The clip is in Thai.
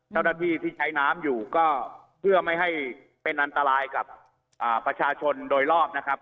เจ้าหน้าที่ที่ใช้น้ำอยู่ก็เพื่อไม่ให้เป็นอันตรายกับประชาชนโดยรอบนะครับ